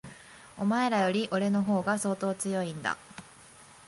お前らより、俺の方が相当強いんだ。